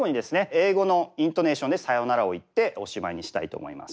英語のイントネーションで「さようなら」を言っておしまいにしたいと思います。